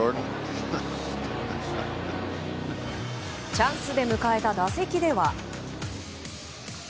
チャンスで迎えた打席では。